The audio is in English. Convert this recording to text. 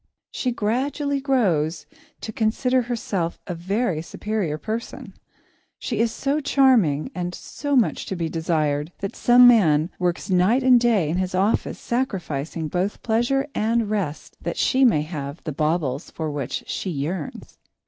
She gradually grows to consider herself a very superior person. She is so charming and so much to be desired, that some man works night and day in his office, sacrificing both pleasure and rest, that she may have the baubles for which she yearns.